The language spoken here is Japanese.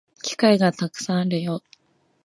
機会がたくさんあるよ